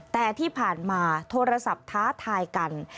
แต่ที่ผ่านมาโทรศัพท์ท้าทายกัน